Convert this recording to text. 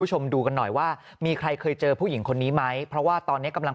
คุณผู้ชมดูกันหน่อยว่ามีใครเคยเจอผู้หญิงคนนี้ไหมเพราะว่าตอนนี้กำลัง